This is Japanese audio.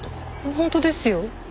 本当ですよ。